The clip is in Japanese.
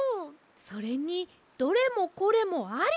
それに「どれもこれもあり！」